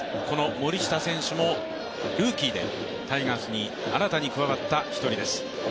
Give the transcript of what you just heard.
森下選手もルーキーでタイガースに新たに加わった１人です。